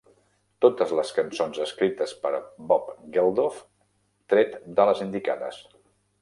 Totes les cançons escrites per Bob Geldof tret de les indicades.